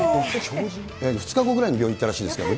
２日後くらいに病院行ったらしいですけどね。